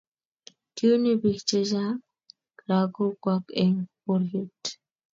kiuny biik chechang' lagokwak eng' boriet